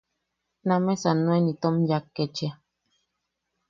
Nameʼesan junuen itom yaak kechia.